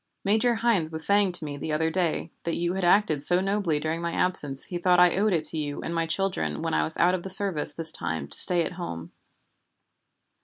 Major Hynes was saying to me the other day that you had acted so nobly during my absence he thought I owed it to you and my children when I was out of the service this time to stay at home.